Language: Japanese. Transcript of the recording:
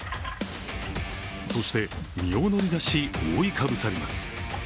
そして、身を乗り出し、覆いかぶさります。